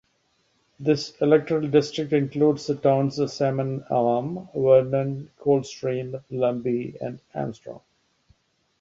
This electoral district includes the towns of Salmon Arm, Vernon, Coldstream, Lumby and Armstrong.